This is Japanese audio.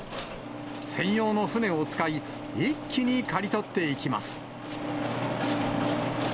専用の船を使い、一気に刈り取っていきます。